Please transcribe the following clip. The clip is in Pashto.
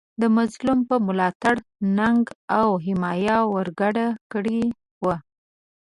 د مظلوم په ملاتړ ننګه او حمایه ورګډه کړې وه.